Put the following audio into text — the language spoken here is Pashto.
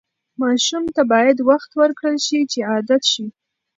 ماشوم ته باید وخت ورکړل شي چې عادت شي.